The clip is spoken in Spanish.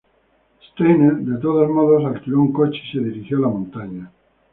Steiner, de todos modos, alquiló un coche y se dirigió a la montaña.